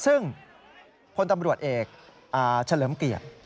ซึ่งพลตำรวจเอกเฉลิมเกียรติ